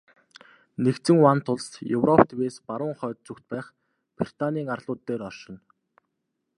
Нэгдсэн вант улс Европ тивээс баруун хойд зүгт байх Британийн арлууд дээр оршино.